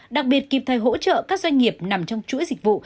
đặc biệt kịp thời hỗ trợ các doanh nghiệp nằm trong chuỗi dịch vụ